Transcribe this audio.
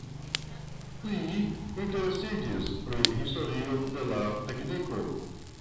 Li interesiĝis pri historio de la tekniko.